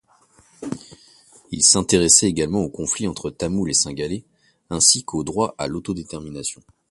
Il s’intéresse également au conflit entre Tamouls et Cinghalais, ainsi qu'au droit à l'autodétermination.